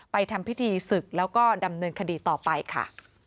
ทำพิธีศึกแล้วก็ดำเนินคดีต่อไปค่ะ